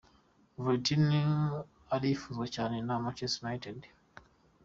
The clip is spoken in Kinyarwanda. Verratti arifuzwa cyane na Manchester United.